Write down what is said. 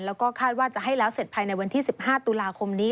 แล้วก็คาดว่าจะให้แล้วเสร็จภายในวันที่๑๕ตุลาคมนี้